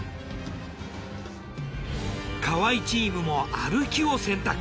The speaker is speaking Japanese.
河合チームも歩きを選択。